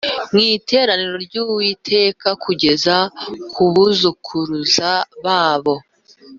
mu iteraniro ry Uwiteka kugeza ku buzukuruza babo